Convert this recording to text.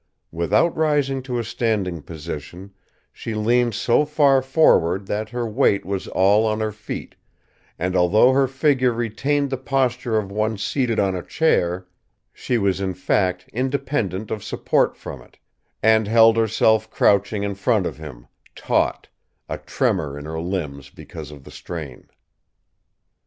Without rising to a standing position, she leaned so far forward that her weight was all on her feet, and, although her figure retained the posture of one seated on a chair, she was in fact independent of support from it, and held herself crouching in front of him, taut, a tremor in her limbs because of the strain.